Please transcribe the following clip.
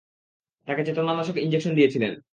তাকে চেতনানাশক ইনজেকশন দিয়েছিলেন।